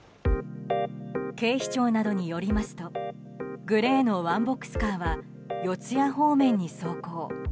警視庁などによりますとグレーのワンボックスカーは四谷方面に走行。